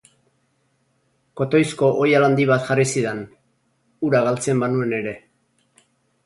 Kotoizko oihal handi bat jarri zidan, ura galtzen banuen ere.